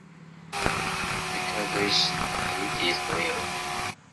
The county seat is Lyons.